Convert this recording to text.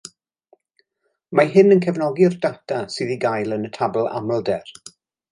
Mae hyn yn cefnogi'r data sydd i gael yn y tabl amlder